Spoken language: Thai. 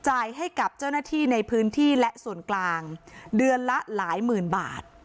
ให้กับเจ้าหน้าที่ในพื้นที่และส่วนกลางเดือนละหลายหมื่นบาท